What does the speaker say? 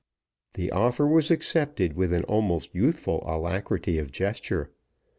The offer was accepted with an almost youthful alacrity of gesture.